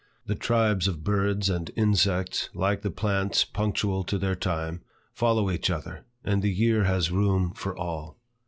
The tribes of birds and insects, like the plants punctual to their time, follow each other, and the year has room for all.